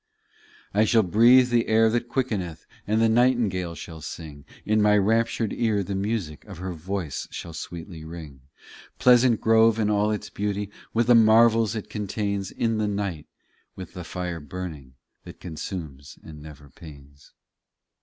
39 I shall breathe the air that quickeneth, And the nightingale shall sing ; In my raptured ear, the music Of her voice shall sweetly ring ; Pleasant grove and all its beauty, With the marvels it contains, In the night ; with the fire burning That consumes and never pains.